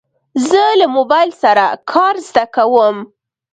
زه له موبایل سره کار زده کوم.